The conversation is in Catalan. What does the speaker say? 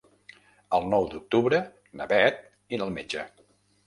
El nou d'octubre na Beth irà al metge.